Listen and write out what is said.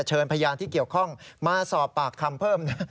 เชิญพยานที่เกี่ยวข้องมาสอบปากคำเพิ่มนะ